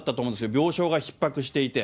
病床がひっ迫していて。